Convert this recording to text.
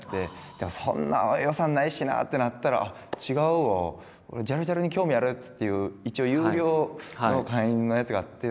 でもそんな予算ないしなってなったらあっ違うわ「ジャルジャルに興味ある奴」っていう一応有料の会員のやつがあって。